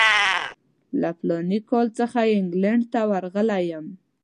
له فلاني کال څخه چې انګلینډ ته راغلی یم.